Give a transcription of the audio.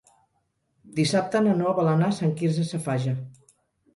Dissabte na Noa vol anar a Sant Quirze Safaja.